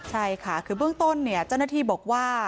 ใช่ค่ะคือเบื้องต้นเนี่ยเจ้าหน้าที่บอกว่า